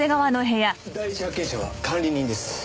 第一発見者は管理人です。